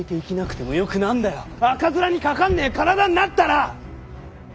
赤面にかかんねえ体になったら！